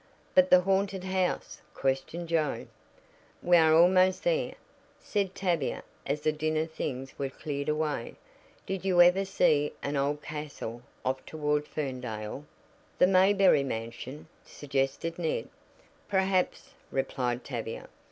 "But the haunted house?" questioned Joe. "We are almost there," said Tavia as the dinner things were cleared away. "Did you ever see an old castle off toward Ferndale?" "The Mayberry mansion?" suggested Ned. "Perhaps," replied Tavia.